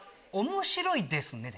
「面白いですね」。